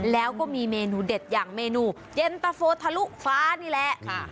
แล้วก็มีเมนูเด็ดอย่างเมนูเย็นตะโฟทะลุฟ้านี่แหละ